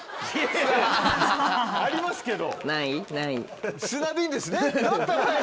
ありますけど。